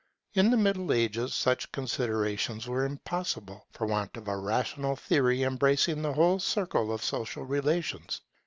In the Middle Ages such considerations were impossible, for want of a rational theory embracing the whole circle of social relations.